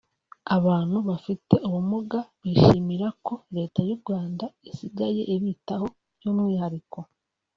Abantu bafite ubumuga bishimira ko Leta y’u Rwanda isigaye ibitaho by’ umwihariko